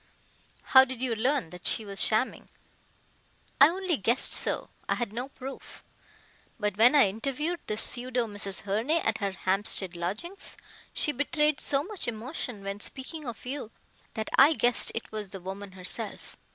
"How did you learn that she was shamming?" "I only guessed so. I had no proof. But when I interviewed the pseudo Mrs. Herne at her Hampstead lodgings, she betrayed so much emotion when speaking of you that I guessed it was the woman herself.